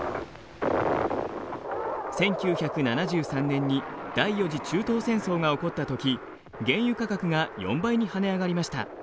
１９７３年に第４次中東戦争が起こった時原油価格が４倍に跳ね上がりました。